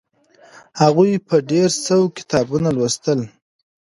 هغوی په ډېر سوق کتابونه لوستل.